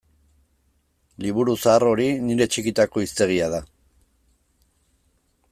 Liburu zahar hori nire txikitako hiztegia da.